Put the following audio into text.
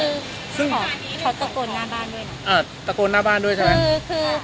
ซึ่งอ๋อเขาตะโกนหน้าบ้านด้วยนะอ่าตะโกนหน้าบ้านด้วยใช่ไหมคือคือ